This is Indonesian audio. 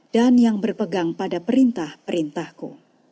dan yang berpegang pada perintah perintahku